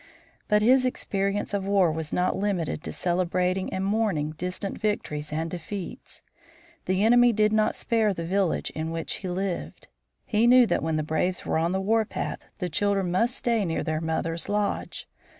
But his experience of war was not limited to celebrating and mourning distant victories and defeats. The enemy did not spare the village in which he lived. He knew that when the braves were on the warpath the children must stay near their mother's lodge.